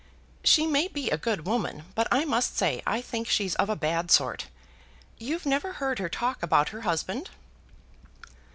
"She may be a good woman, but I must say I think she's of a bad sort. You've never heard her talk about her husband?"